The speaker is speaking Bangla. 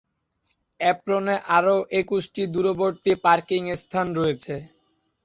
এপ্রনে আরও একুশটি দূরবর্তী পার্কিং স্থান রয়েছে।